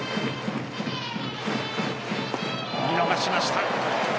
見逃しました。